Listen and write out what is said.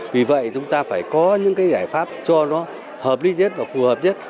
vì vậy chúng ta phải có những cái giải pháp cho nó hợp lý nhất và phù hợp nhất